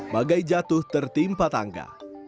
bagai jatuh tertimpa tangga